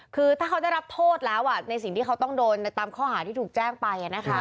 คือถ้าเขาได้รับโทษแล้วในสิ่งที่เขาต้องโดนตามข้อหาที่ถูกแจ้งไป